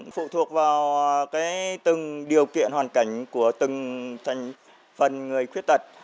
phụ thuộc vào từng điều kiện hoàn cảnh của từng phần người khuyết tật